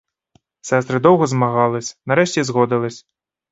Сестри довго змагались, нарешті згодились.